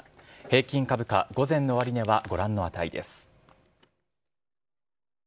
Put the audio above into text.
平均株価午前の終値はご覧の値です。